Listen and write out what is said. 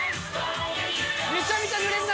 めちゃめちゃぬれんな。